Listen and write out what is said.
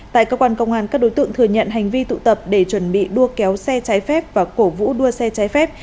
tại cơ quan công an các đối tượng thừa nhận hành vi tụ tập để chuẩn bị đua kéo xe trái phép và cổ vũ đua xe trái phép